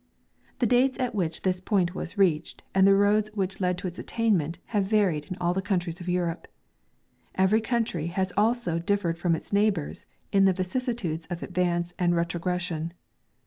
The dates at which this point was reached and the roads which led to its attainment have varied in all the countries of Europe. Every country has also differed from its neighbours in the vicissitudes of advance and retrogression.